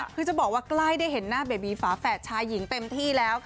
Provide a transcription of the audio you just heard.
คือจะบอกว่าใกล้ได้เห็นหน้าเบบีฝาแฝดชายหญิงเต็มที่แล้ว